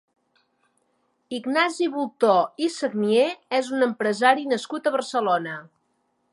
Ignasi Bultó i Sagnier és un empresari nascut a Barcelona.